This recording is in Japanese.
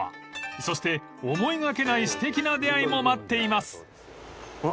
［そして思いがけないすてきな出会いも待っています］